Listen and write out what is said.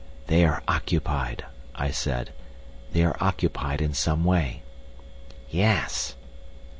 "They are occupied," I said, "they are occupied in some way." "Yes."